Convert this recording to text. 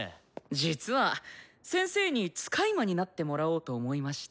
実は先生に使い魔になってもらおうと思いまして。